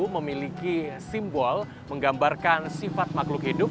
dua puluh memiliki simbol menggambarkan sifat makhluk hidup